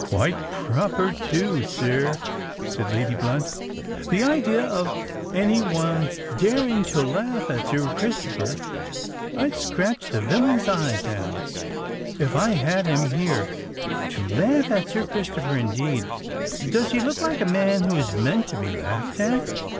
"Quite proper too, sir," said Lady Blunt. "The idea of any one daring to laugh at Sir Christopher! I'd scratch the villain's eyes out, if I had him here. To laugh at Sir Christopher, indeed! Does he look like a man who is meant to be laughed at?"